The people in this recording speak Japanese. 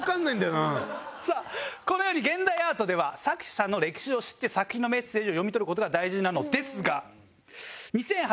さあこのように現代アートでは作者の歴史を知って作品のメッセージを読み取る事が大事なのですが。